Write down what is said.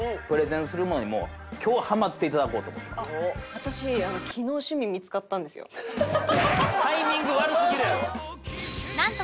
私タイミング悪すぎるやろ！